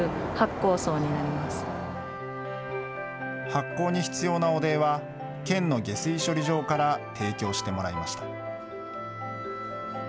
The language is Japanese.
発酵に必要な汚泥は、県の下水処理場から提供してもらいました。